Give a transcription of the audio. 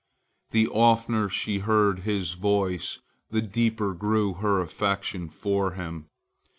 The oftener she heard his voice, the deeper grew her affection for him.